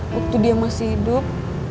waktu dia masih hidup